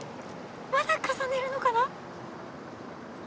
まだ重ねるのかな。